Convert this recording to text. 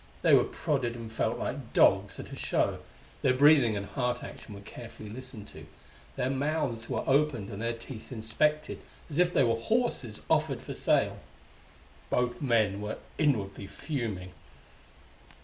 They were prodded and felt like dogs at a show; their breathing and heart action were carefully listened to; their mouths were opened and their teeth inspected as if they were horses offered for sale. Both men were inwardly fuming.